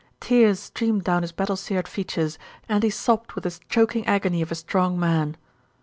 Tears streamed down his battle seared features, and he sobbed with the choking agony of a strong man.